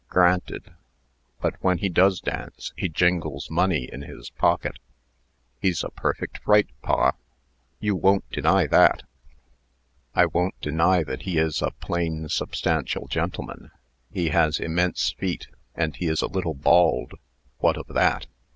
"Granted. But when he does dance, he jingles money in his pocket." "He's a perfect fright, pa. You won't deny that?" "I won't deny that he is a plain, substantial gentleman. He has immense feet, and he is a little bald. What of that?"